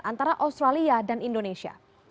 antara australia dan indonesia